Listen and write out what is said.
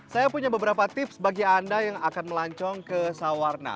saya punya beberapa tips bagi anda yang akan melancong ke sawarna